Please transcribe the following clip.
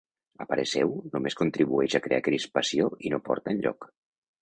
A parer seu, només contribueix a ‘crear crispació i no porta enlloc’.